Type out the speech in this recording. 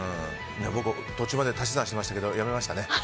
僕、途中まで足し算してたんですけどやめましたね。